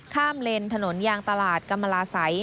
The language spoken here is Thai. ข้ามเล่นถนนยางตลาดกำลาสัย